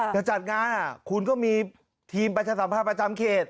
แต่จัดงานคุณก็มีทีมประจำภัยประจำเขต